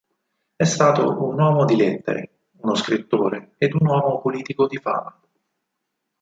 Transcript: È stato un uomo di lettere, uno scrittore ed un uomo politico di fama.